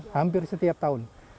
hampir setiap tahun